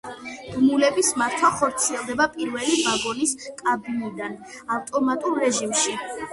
ბმულების მართვა ხორციელდება პირველი ვაგონის კაბინიდან, ავტომატურ რეჟიმში.